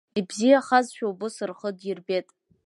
Ибзиахазшәа убыс рхы идирбеит.